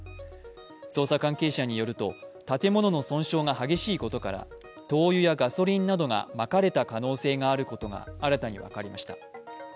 捜査関係者によると、建物の損傷が激しいことから灯油やガソリンなどがまかれた可能性があることが新たに分かりました。